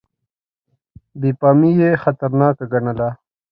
بې پامي یې خطرناکه ګڼله.